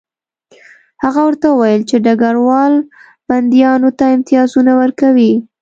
هغه ورته وویل چې ډګروال بندیانو ته امتیازونه ورکوي